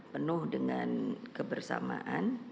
penuh dengan kebersamaan